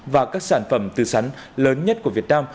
và các sản phẩm từ sắn lớn nhất của việt nam